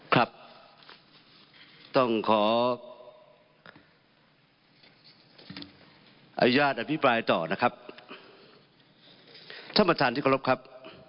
ครับต้องขออญาติดตามอภิพายต่อน่ะครับท่านบทธารทิกลบครับ